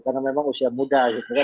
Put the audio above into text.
karena memang usia muda ya